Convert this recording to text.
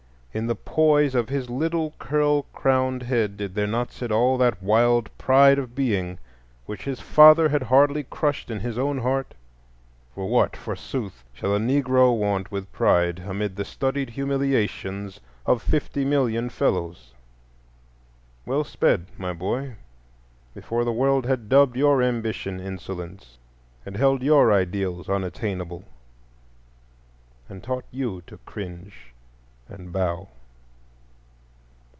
In the poise of his little curl crowned head did there not sit all that wild pride of being which his father had hardly crushed in his own heart? For what, forsooth, shall a Negro want with pride amid the studied humiliations of fifty million fellows? Well sped, my boy, before the world had dubbed your ambition insolence, had held your ideals unattainable, and taught you to cringe and bow.